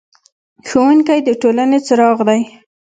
ښوونکی د ټولنې څراغ دی.